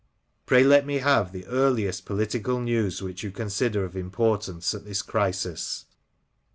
Pray let me have the earliest political news which you consider of importance at this crisis.